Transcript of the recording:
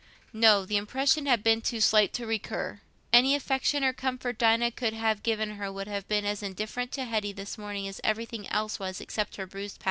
No, the impression had been too slight to recur. Any affection or comfort Dinah could have given her would have been as indifferent to Hetty this morning as everything else was except her bruised passion.